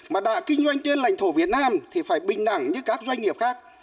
mà đã kinh doanh trên lãnh thổ việt nam thì phải bình đẳng như các doanh nghiệp khác